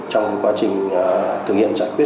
trong quá trình thực hiện chặt chẽ